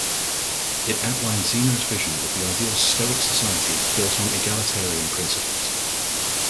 It outlined Zeno's vision of the ideal Stoic society built on egalitarian principles.